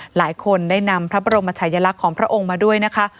หลายคนได้นำพระบรมชายลักษณ์ของพระองค์มาด้วยนะคะ